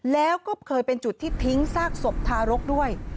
แล้วก็เคยเป็นจุดที่ทิ้งซากศพทารกด้วย